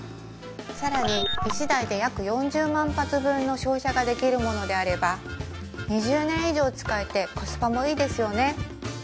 更に１台で約４０万発分の照射ができるものであれば２０年以上使えてコスパもいいですよね